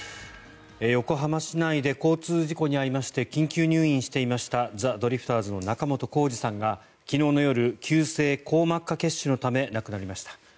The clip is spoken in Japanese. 横浜市内で交通事故に遭いまして緊急入院していましたザ・ドリフターズの仲本工事さんが昨日の夜、急性硬膜下血腫のため亡くなりました。